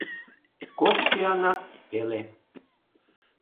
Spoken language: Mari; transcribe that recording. КОК СӰАНАТ ПЕЛЕ